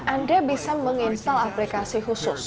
anda bisa menginstal aplikasi khusus